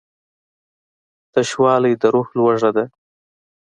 تشوالی د روح لوږه ده.